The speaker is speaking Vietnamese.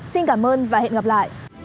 xin cảm ơn và hẹn gặp lại